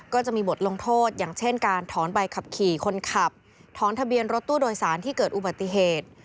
ก็จะมีบทลงโทษอย่างเช่นการถอนใบขับขี่คนขับถอนทะเบียนรถตู้โดยสารที่เกิดอุบัติเหตุ